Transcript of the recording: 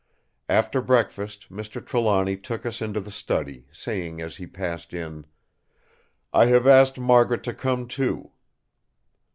After breakfast Mr. Trelawny took us into the study, saying as he passed in: "I have asked Margaret to come too."